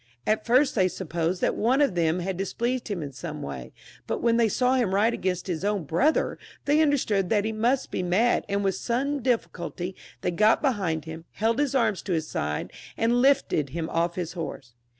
At first they supposed that one of them had dis pleased him in some way ; but when they saw him ride 190 CHARLES VL [CH. against his own brother, they understood that he must be mad, and with some difficulty they got behind him, held his arms to his sides, and lifted him off his horse.